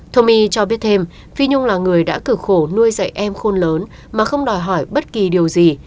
thomai cho biết thêm phi nhung là người đã cử khổ nuôi dạy em khôn lớn mà không đòi hỏi bất kỳ điều gì